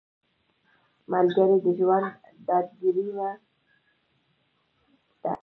ملګری د ژوند ډاډګیرنه ده